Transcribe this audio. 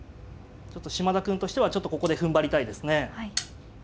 嶋田くんとしてはちょっとここでふんばりたいですね。